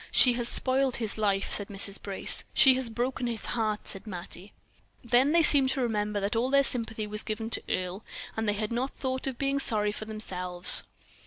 "She has spoiled his life," said Mrs. Brace. "She has broken his heart," said Mattie. Then they seemed to remember that all their sympathy was given to Earle, and they had not thought of being sorry for themselves.